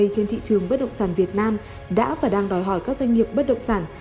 trên thị trường bất động sản việt nam đã và đang đòi hỏi các doanh nghiệp bất động sản